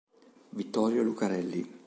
Vittorio Lucarelli